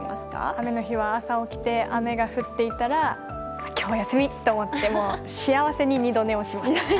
雨の日は朝起きて雨が降っていたら今日は休み！と思って幸せに二度寝をします。